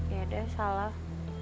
ya udah salah